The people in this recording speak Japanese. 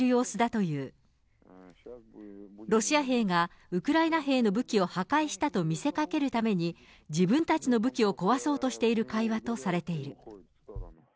ロシア兵がウクライナ兵の武器を破壊したと見せかけるために、自分たちの武器を壊そうとしている会話とされている。